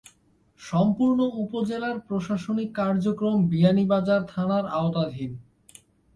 সম্পূর্ণ উপজেলার প্রশাসনিক কার্যক্রম বিয়ানীবাজার থানার আওতাধীন।